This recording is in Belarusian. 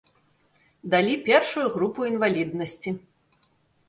Далі першую групу інваліднасці.